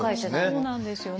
そうなんですよね。